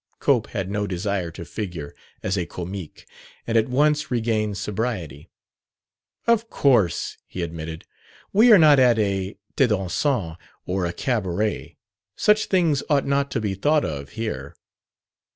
Cope had no desire to figure as a comique, and at once regained sobriety. "Of course," he admitted, "we are not at a thé dansant or a cabaret. Such things ought not to be thought of here."